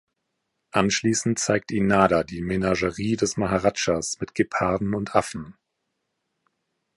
Anschließend zeigt ihnen Nada die Menagerie des Maharadschas mit Geparden und Affen.